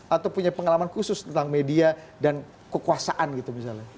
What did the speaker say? atau punya pengalaman khusus tentang media dan kekuasaan gitu misalnya